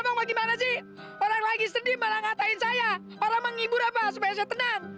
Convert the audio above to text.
emang bagaimana sih orang lagi sedih malah ngatain saya orang menghibur apa supaya saya tenang